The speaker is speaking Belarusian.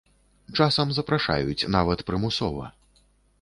Часам запрашаюць нават прымусова.